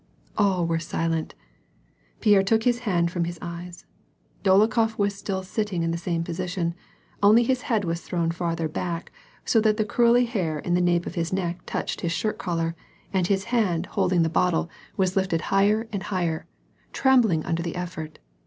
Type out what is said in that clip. All were silent. Pierre took his hand from his eyes. Dolokhof was still sitting in the same position, only his head was thrown farther back, so that the curly hair in the nape of his neck touched his shirt collar, and his hand hold \ 38 WAR AND PEACE. ing the bottle was lifted higher and higher, trembling under the effort.